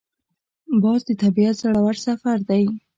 باز د طبیعت زړور سفیر دی